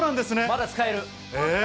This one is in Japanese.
まだ使える。